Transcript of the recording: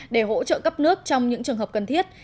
để hỗ trợ cấp nước trong những trường hợp cần thiết